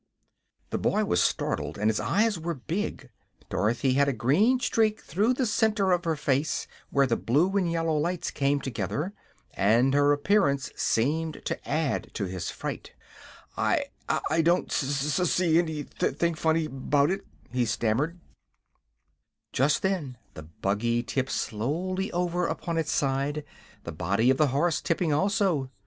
The boy was startled and his eyes were big. Dorothy had a green streak through the center of her face where the blue and yellow lights came together, and her appearance seemed to add to his fright. "I I don't s s see any thing funny 'bout it!" he stammered. [Illustration: HORSE, BUGGY AND ALL FELL SLOWLY.] Just then the buggy tipped slowly over upon its side, the body of the horse tipping also.